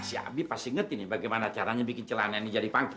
si abi pasti ngerti nih bagaimana caranya bikin celana ini jadi pangki